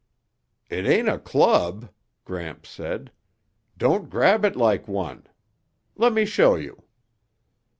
"It ain't a club," Gramps said. "Don't grab it like one. Let me show you."